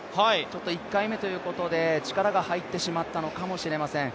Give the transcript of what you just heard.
１回目ということで力が入ってしまったのかもしれません。